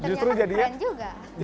ternyata keren juga